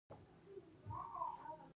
نوې کاري تجربه ځان باور زیاتوي